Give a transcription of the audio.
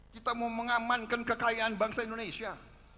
kita mau mengamankan kekayaan bangsa indonesia